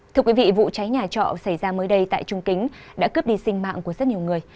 thưa quý vị vụ cháy nhà trọ xảy ra mới đây tại trung kính đã cướp đi sinh mạng của rất nhiều người